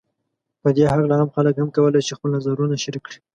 په دې هکله عام خلک هم کولای شي خپل نظرونو شریک کړي